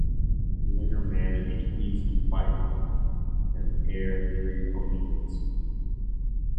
He later managed East Fife and Airdrieonians.